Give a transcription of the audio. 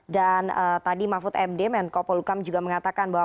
dan tadi mahfud md menko polhuka juga mengatakan bahwa